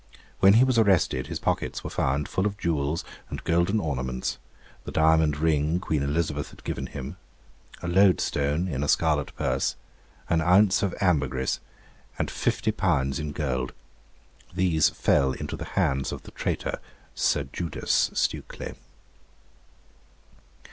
When he was arrested his pockets were found full of jewels and golden ornaments, the diamond ring Queen Elizabeth had given him, a loadstone in a scarlet purse, an ounce of ambergriece, and fifty pounds in gold; these fell into the hands of the traitor 'Sir Judas' Stukely.